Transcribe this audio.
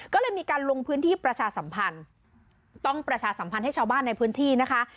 ก็เลยมีการลงพื้นที่ประชาสัมพันธ์ต้องประชาสัมพันธ์ให้ชาวบ้านในพื้นที่นะคะ